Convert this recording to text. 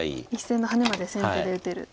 １線のハネまで先手で打てる。